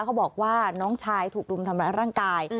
เขาบอกว่าน้องชายถูกรุมทำร้ายร่างกาย